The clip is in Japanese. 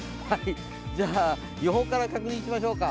じゃあ予報から確認しましょうか。